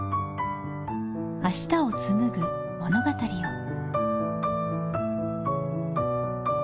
明日をつむぐ物語を。